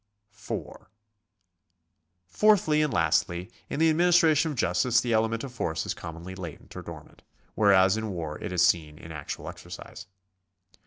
4. Fourthly and lastly, in the administration of justice the element of force is commonly latent or dormant, whereas in war it is seen in actual exercise.